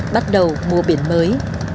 bắt đầu mùa biển mới